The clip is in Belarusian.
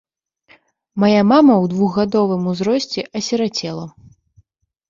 Мая мама ў двухгадовым узросце асірацела.